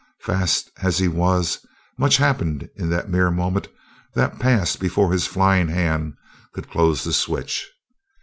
Fast as he was, much happened in the mere moment that passed before his flying hand could close the switch.